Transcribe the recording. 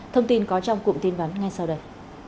thông tin có trong cụm tin vắn ngay sau đây